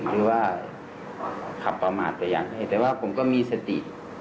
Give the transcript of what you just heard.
หรือว่าขับประมาทแต่อย่างใดแต่ว่าผมก็มีสติ